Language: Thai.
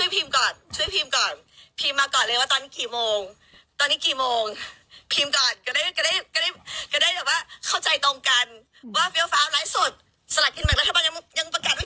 เพิ่งตรวจแต่เมื่อกี้ก็รีบวิ่งออกมาเลย